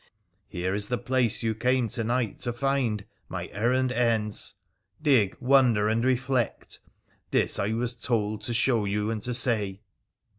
Here is the place you came to night to find — my errand ends ! Dig, wonder, and reflect— this I was told to show you and to say